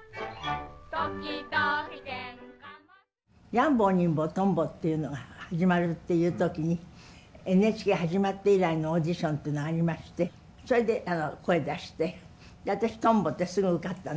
「やん坊にん坊とん坊」っていうのが始まるっていう時にＮＨＫ始まって以来のオーディションというのがありましてそれで声出して私とん坊ですぐ受かったんです。